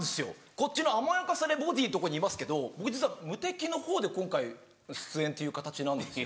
こっちの甘やかされボディのとこにいますけど僕実は無敵のほうで今回出演という形なんですよ。